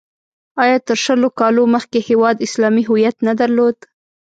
آیا تر شلو کالو مخکې هېواد اسلامي هویت نه درلود؟